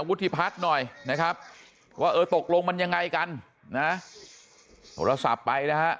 วุฒิพัฒน์หน่อยนะครับว่าเออตกลงมันยังไงกันนะโทรศัพท์ไปนะฮะ